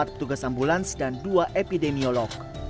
empat petugas ambulans dan dua epidemiolog